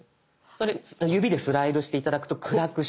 それ指でスライドして頂くと暗くしたり。